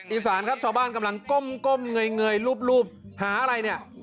อีสานครับชาวบ้านกำลังก้มเงยรูปหาอะไรเนี่ย